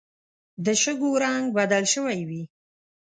د شګو رنګ بدل شوی وي